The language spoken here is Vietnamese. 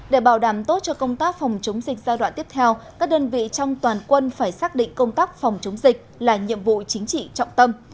để bảo đảm tốt cho công tác phòng chống dịch giai đoạn tiếp theo các đơn vị trong toàn quân phải xác định công tác phòng chống dịch là nhiệm vụ chính trị trọng tâm